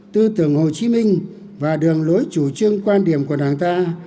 tư tưởng hồ chí minh và đường lối chủ trương quan điểm của đảng ta